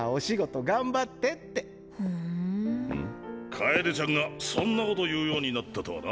楓ちゃんがそんなこと言うようになったとはな。